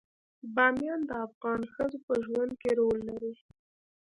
بامیان د افغان ښځو په ژوند کې رول لري.